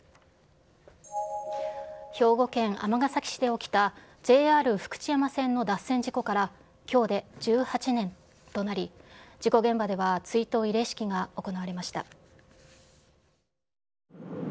兵庫県尼崎市で起きたＪＲ福知山線の脱線事故からきょうで１８年となり、事故現場では追悼慰霊式が行われました。